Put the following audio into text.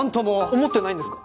思ってないんですか？